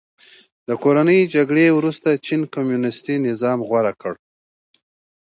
د کورنۍ جګړې وروسته چین کمونیستي نظام غوره کړ.